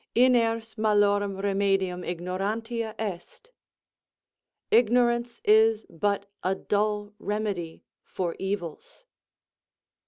Iners malorum remedium ignorantia est. "Ignorance is but a dull remedy for evils."